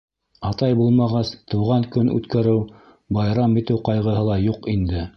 Атай булмағас, тыуған көн үткәреү, байрам итеү ҡайғыһы ла юҡ инде.